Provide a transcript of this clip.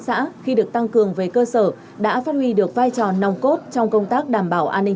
xã khi được tăng cường về cơ sở đã phát huy được vai trò nòng cốt trong công tác đảm bảo an ninh